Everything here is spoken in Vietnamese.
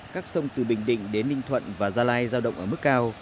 các sông từ bình định đến ninh thuận và gia lai giao động ở mức cao